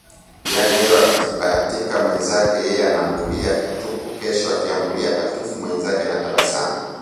yaani leo akibahatika mwenzake yeye anaambulia patupu, kesho akiambulia patupu mwenzake anatabasamu